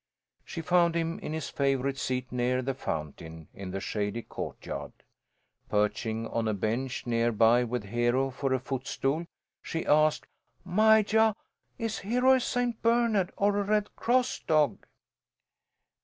She found him in his favourite seat near the fountain, in the shady courtyard. Perching on a bench near by with Hero for a foot stool, she asked, "Majah, is Hero a St. Bernard or a Red Cross dog?"